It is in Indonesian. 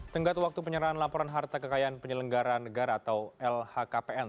tenggat waktu penyerahan laporan harta kekayaan penyelenggara negara atau lhkpn